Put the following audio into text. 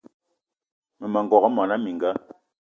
Mmema n'gogué mona mininga